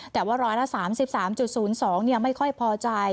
แต่ว่าร้อยละ๓๓๐๒ไม่ค่อยพอใจ